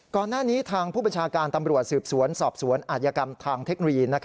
ก่อนหน้านี้ทางผู้บัญชาการตำรวจสืบสวนสอบสวนอาจยกรรมทางเทคโนโลยี